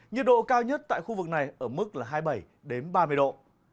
nhiệt độ cao nhất tại khu vực này ở mức hai mươi bảy đến ba mươi độ